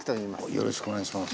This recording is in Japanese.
よろしくお願いします。